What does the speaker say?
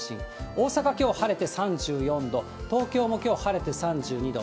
大阪きょう晴れて３４度、東京もきょう晴れて３２度。